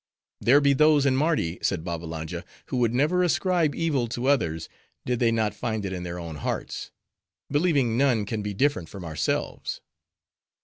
"There be those in Mardi," said Babbalanja, "who would never ascribe evil to others, did they not find it in their own hearts; believing none can be different from themselves."